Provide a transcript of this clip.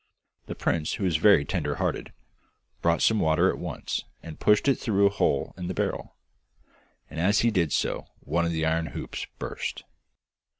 The prince, who was very tender hearted, brought some water at once, and pushed it through a hole in the barrel; and as he did so one of the iron hoops burst.